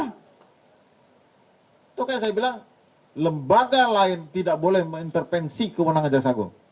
itu kayak saya bilang lembaga lain tidak boleh mengintervensi kewenangan jaksa agung